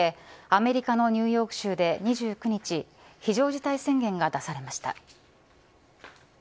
アメリカのニューヨーク州で２９日非常事態宣言が出されました。